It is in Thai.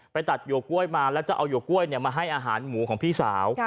ไปตัดหยวกล้วยมาแล้วจะเอาหวกกล้วยมาให้อาหารหมูของพี่สาว